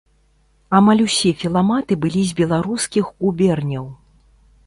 Амаль усе філаматы былі з беларускіх губерняў.